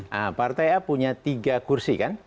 nah partai a punya tiga kursi kan